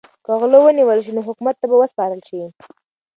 که غله ونیول شي نو حکومت ته به وسپارل شي.